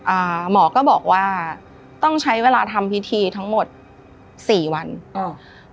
อ่าหมอก็บอกว่าต้องใช้เวลาทำพิธีทั้งหมดสี่วันอ่า